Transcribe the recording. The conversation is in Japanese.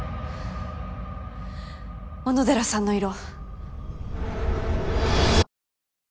小野寺さんの色。